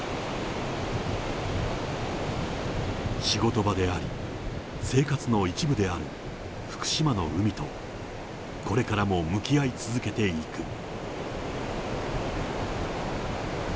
仕事場であり、生活の一部である福島の海と、これからも向き合い続けていく。